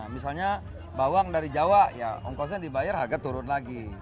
misalnya bawang dari jawa ya ongkosnya dibayar harga turun lagi